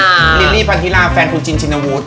ลูกดาลมชื่อลิลลี่ปานทิราคุณจินชินโว้ด